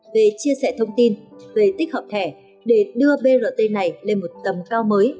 về chia sẻ thông tin về tích hợp thẻ để đưa brt này lên một tầm cao mới